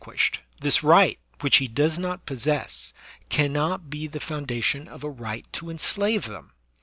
SLAVERY II qtiished, this right, which he does not possess, cannot be the foundation of a right to enslave them.